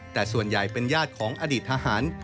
แต่ส่วนใหญ่เป็นญาติของอดีตทหาร